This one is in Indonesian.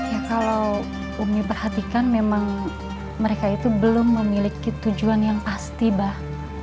ya kalau umi perhatikan memang mereka itu belum memiliki tujuan yang pasti bah